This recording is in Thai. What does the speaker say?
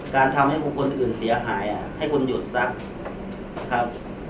การทำให้คนคนอื่นเสียหายให้คุณหยุดซักครับ